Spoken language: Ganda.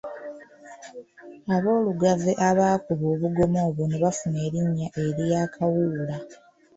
Aboolugave abaakuba obugoma obwo ne bafuna erinnya erya Kawuula.